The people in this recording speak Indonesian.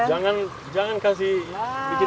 jangan jangan kasih bikin